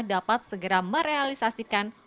dapat segera merealisasikan penyelenggaraan listrik